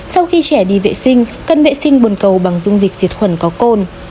sau khi trẻ đi vệ sinh cân vệ sinh buồn cầu bằng dung dịch diệt khuẩn có côn